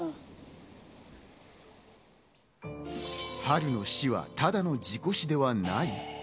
ハルの死はただの事故死ではない。